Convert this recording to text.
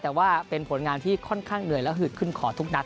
แต่ว่าเป็นผลงานที่ค่อนข้างเหนื่อยและหืดขึ้นขอทุกนัด